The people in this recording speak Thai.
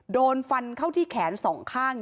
โดนฟันเข้าที่แขนสองข้าง